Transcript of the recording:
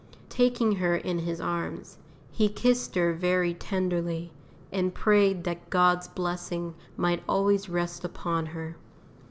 Taking her in his arms, he kissed her very tenderly, and prayed that God's blessing might always rest upon her.